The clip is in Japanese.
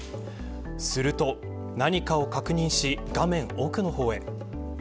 すると何かを確認し画面奥の方へ。